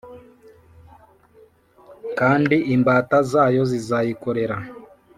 kandi imbata zayo zizayikorera.